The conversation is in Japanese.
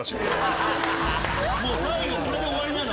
最後これで終わりなの？